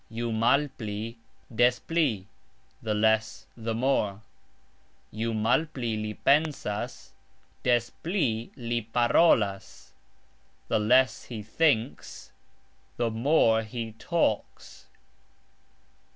"Ju malpli...des pli", the less...the more: "Ju malpli li pensas, des pli li parolas", The less he thinks, the more he talks.